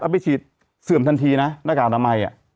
ไปฉีดเสื่อมทันทีนะหน้ากากอนามัย